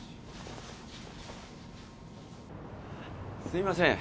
すいません。